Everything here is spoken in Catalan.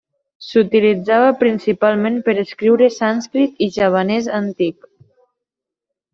S'utilitzava principalment per escriure sànscrit i javanès antic.